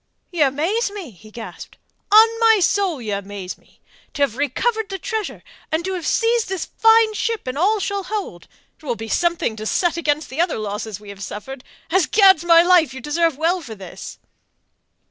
"Y'amaze me!" he gasped. "On my soul, y'amaze me! To have recovered the treasure and to have seized this fine ship and all she'll hold! It will be something to set against the other losses we have suffered. As Gad's my life, you deserve well for this."